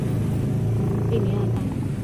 吏民爱戴。